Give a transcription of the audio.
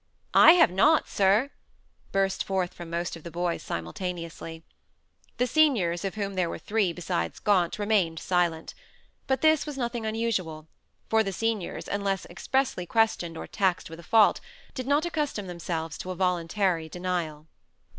"I have not, sir," burst forth from most of the boys simultaneously. The seniors, of whom there were three besides Gaunt, remained silent. But this was nothing unusual; for the seniors, unless expressly questioned or taxed with a fault, did not accustom themselves to a voluntary denial.